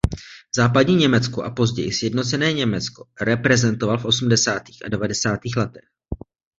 Západní Německo a později sjednocené Německo reprezentoval v osmdesátých a devadesátých letech.